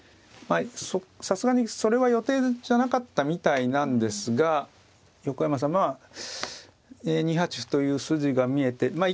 さすがにそれは予定じゃなかったみたいなんですが横山さんが２八歩という筋が見えてまあ